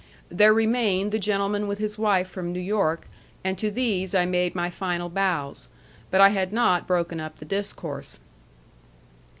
There remained the gentleman with his wife from New York, and to these I made my final bows. But I had not broken up the discourse.